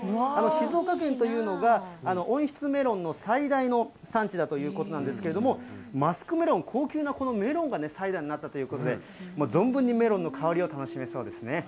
静岡県というのが、温室メロンの最大の産地だということなんですけれども、マスクメロン、高級なこのメロンがサイダーになったということで、存分にメロンの香りが楽しめそうですね。